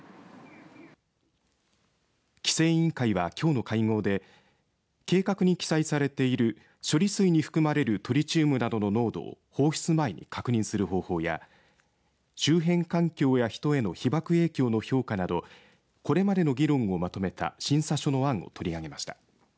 規制委員会はきょうの会合で計画に記載されている処理水に含まれるトリチウムなどの濃度を放出前に確認する方法や周辺環境や人への被爆影響の評価などこれまでの議論をまとめた審査書の案を取り上げました。